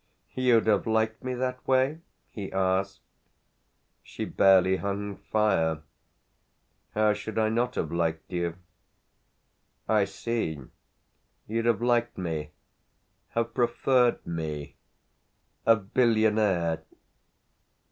"You'd have liked me that way?" he asked. She barely hung fire. "How should I not have liked you?" "I see. You'd have liked me, have preferred me, a billionaire!"